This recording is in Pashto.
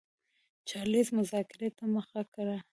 چارلېز مذاکرې ته مخه کړه.